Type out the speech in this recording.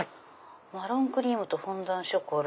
「マロンクリームとフォンダンショコラ」。